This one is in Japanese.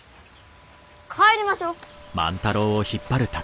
帰りましょう！